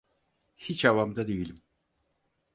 Hiç havamda değilim.